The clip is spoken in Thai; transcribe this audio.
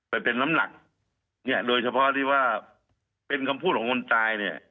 ไปเป็นน้ำหนักเนี่ยโดยเฉพาะที่ว่าเป็นคำพูดของคนตายเนี่ย